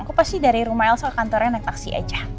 aku pasti dari rumah elsa ke kantornya naik taksi aja